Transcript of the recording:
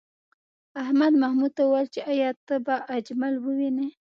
احمد محمود ته وویل چې ایا ته به اجمل ووینې؟